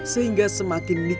sehingga semakin berlebihan